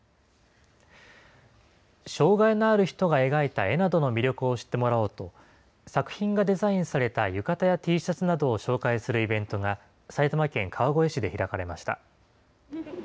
障害のある人が描いた絵などの魅力を知ってもらおうと、作品がデザインされた浴衣やＴシャツなどを紹介するイベントが、埼玉県川越市で開かれました。